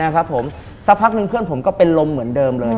สักพักนึงเพื่อนผมก็เป็นลมเหมือนเดิมเลย